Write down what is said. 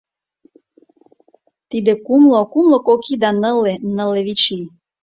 — Тиде — кумло — кумло кок ий да нылле — нылле вич ий.